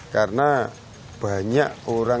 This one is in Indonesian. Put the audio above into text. karena banyak orang ribuan orang